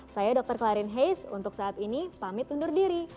saya dr klarin heis untuk saat ini pamit undur diri